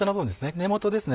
根元ですね